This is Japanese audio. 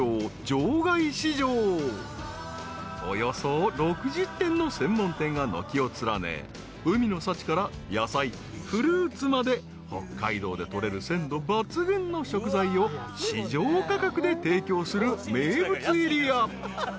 ［およそ６０店の専門店が軒を連ね海の幸から野菜フルーツまで北海道でとれる鮮度抜群の食材を市場価格で提供する名物エリア］